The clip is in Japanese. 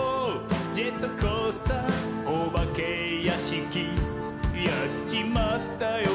ジェットコースターおばけやしき」「やっちまったよ！